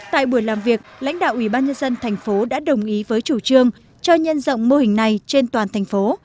tại buổi làm việc lãnh đạo ủy ban nhân dân thành phố đã đồng ý với chủ trương cho nhân rộng mô hình này trên toàn thành phố